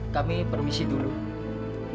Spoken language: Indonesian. terima kasih roy